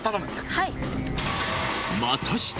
はい。